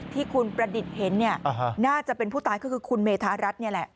ที่คุณประดิษฐ์เห็นเนี่ยน่าจะเป็นผู้ตายก็คือคุณเมธารัฐนี่แหละ